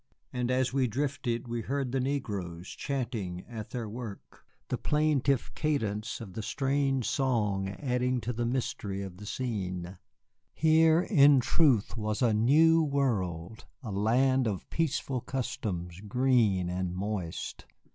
And as we drifted we heard the negroes chanting at their work, the plaintive cadence of the strange song adding to the mystery of the scene. Here in truth was a new world, a land of peaceful customs, green and moist.